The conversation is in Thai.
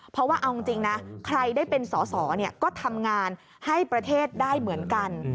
เพราะว่าเอาจริงนะใครได้เป็นสอสอก็ทำงานให้ประเทศได้เหมือนกัน